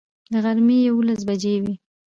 د غرمې یوولس بجې وې.